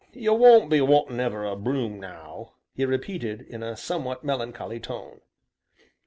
"You won't be wantin' ever a broom, now?" he repeated, in a somewhat melancholy tone.